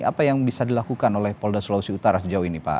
apa yang bisa dilakukan oleh polda sulawesi utara sejauh ini pak